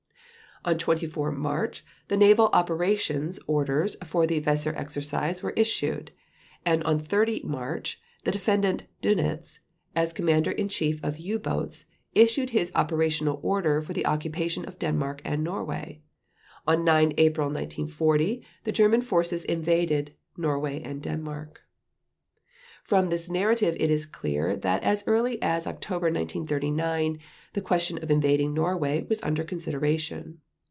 On 24 March the naval operation orders for the Weser Exercise were issued, and on 30 March the Defendant Dönitz as Commander in Chief of U boats issued his operational order for the occupation of Denmark and Norway. On 9 April 1940 the German forces invaded Norway and Denmark. From this narrative it is clear that as early as October 1939 the question of invading Norway was under consideration.